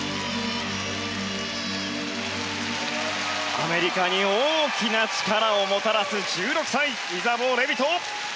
アメリカに大きな力をもたらす１６歳イザボー・レビト。